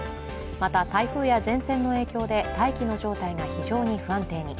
また、台風や前線の影響で大気の状態が非常に不安定に。